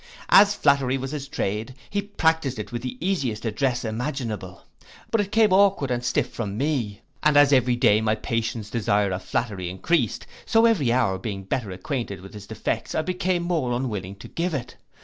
As flattery was his trade, he practised it with the easiest address imaginable; but it came aukward and stiff from me; and as every day my patron's desire of flattery encreased, so every hour being better acquainted with his defects, I became more unwilling to give it.